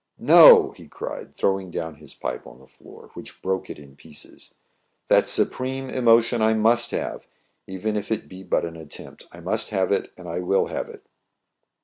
" No !" he cried, throwing down his pipe on the floor, which broke it in pieces. "That supreme emotion I must have, even if it be but an attempt. I must have it, and I will have it."